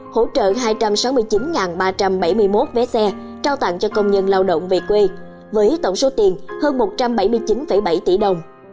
hỗ trợ hai trăm sáu mươi chín ba trăm bảy mươi một vé xe trao tặng cho công nhân lao động về quê với tổng số tiền hơn một trăm bảy mươi chín bảy tỷ đồng